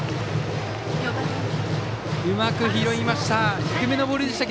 うまく拾いました。